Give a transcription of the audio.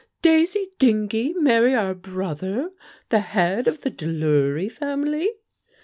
Daisy Dingee marry our brother, the head of the Delury family!"